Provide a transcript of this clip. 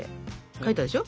書いたでしょ？